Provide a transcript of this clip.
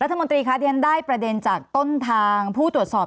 รัฐมนตรีคะที่ฉันได้ประเด็นจากต้นทางผู้ตรวจสอบ